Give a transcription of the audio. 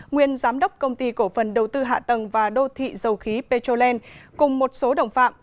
nguyên giám đốc công ty cổ phần đầu tư hạ tầng và đô thị dầu khí petrolene cùng một số đồng phạm